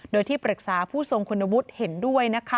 โดยที่ปรึกษาผู้ทรงคุณวุฒิเห็นด้วย